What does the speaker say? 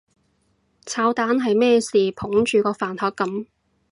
炒蛋係咩事捧住個飯盒噉？